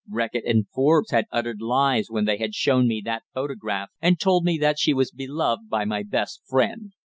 Reckitt and Forbes had uttered lies when they had shown me that photograph, and told me that she was beloved by my best friend.